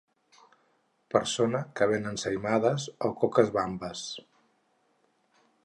Persona que ven ensaïmades o coques bambes.